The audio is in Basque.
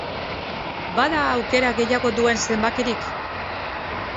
Bada aukera gehiago duen zenbakirik?